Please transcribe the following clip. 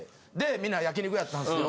みんな焼肉やったんすよ。